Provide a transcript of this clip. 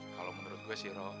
kalau menurut gue sih ro